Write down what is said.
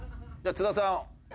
津田さん